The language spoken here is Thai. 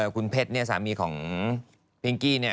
คุณเพชรเนี่ยสามีของพิงกี้เนี่ย